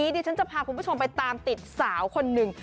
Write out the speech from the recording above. ดิฉันจะพาคุณผู้ชมไปตามติดสาวคนหนึ่ง